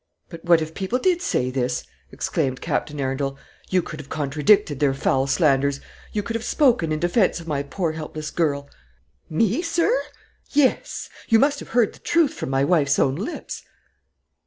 "But what if people did say this?" exclaimed Captain Arundel. "You could have contradicted their foul slanders; you could have spoken in defence of my poor helpless girl." "Me, sir!" "Yes. You must have heard the truth from my wife's own lips."